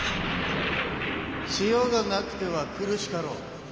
・塩がなくては苦しかろう。